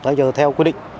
chúng ta chờ theo quyết định